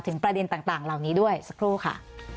ประเด็นต่างเหล่านี้ด้วยสักครู่ค่ะ